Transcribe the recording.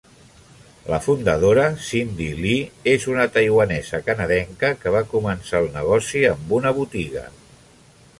La fundadora Cindy Lee és una taiwanesa-canadenca que va començar el negoci amb una botiga.